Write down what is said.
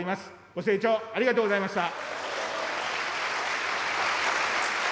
ご静聴、ありがとうございました。